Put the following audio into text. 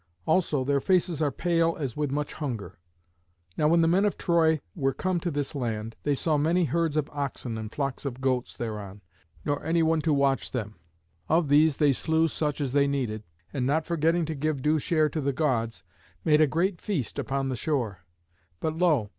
Also their faces are pale as with much hunger. Now when the men of Troy were come to this land, they saw many herds of oxen and flocks of goats thereon, nor any one to watch them. Of these they slew such as they needed, and, not forgetting to give due share to the Gods, made a great feast upon the shore. But lo!